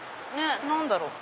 何だろう？